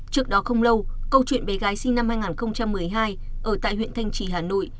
trước đó không lâu câu chuyện bé gái sinh năm hai nghìn một mươi hai ở tại huyện thanh trì hà nội